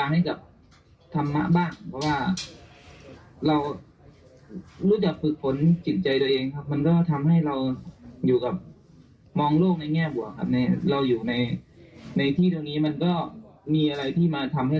ให้เราเหนื่อยใจง่ายและพูดปากพูดควรมากมาย